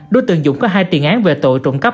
đối tượng dũng có hai tiền án về tội trộm cắp